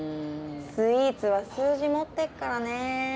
スイーツは数字持ってるからね。